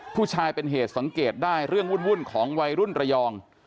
ผู้ชายเป็นเหตุสังเกตได้เรื่องวุ่นของวัยรุ่นระยอง